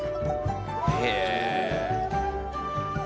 へえ！